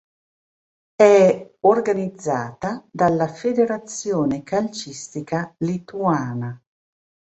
È organizzata dalla Federazione calcistica lituana.